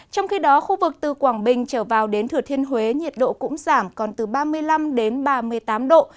trong khi đó khu vực từ quảng bình trở vào đến thừa thiên huế nhiệt độ cũng giảm còn từ ba mươi năm đến ba mươi tám độ